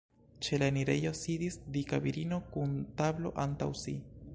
Ĉe la enirejo sidis dika virino kun tablo antaŭ si.